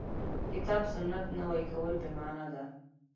کتاب سنت نوي کول بې معنا ده.